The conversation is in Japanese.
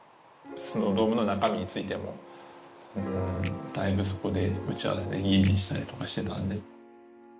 スノードームの中身についてもだいぶそこで打ち合わせで吟味したりとかしてたんで。